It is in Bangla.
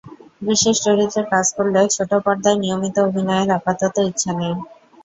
বিশেষ চরিত্রে কাজ করলেও ছোট পর্দায় নিয়মিত অভিনয়ের আপাতত ইচ্ছা নেই।